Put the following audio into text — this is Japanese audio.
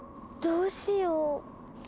どうしよう。